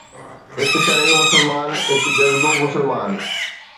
هڪ شرعي مسلمان، هڪ جذبو مسلمان